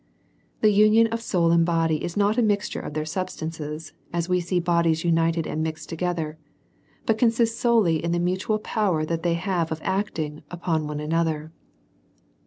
The union of soul and body is not a mixture of their substances, as we see bodies united and mixed together, but consists solely in the mutual power that they have of acting upon one another.